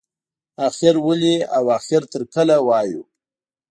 اخر ولې او اخر تر کله وایو.